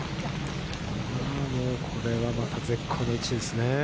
これはまた、絶好の位置ですね。